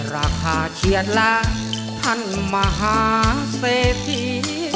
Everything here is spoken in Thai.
ราคาเฉียดละท่านมหาเสพี